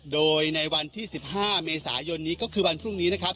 โดยในวันที่๑๕เมษายนนี้ก็คือวันพรุ่งนี้นะครับ